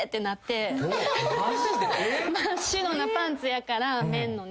真っ白なパンツやから綿のね。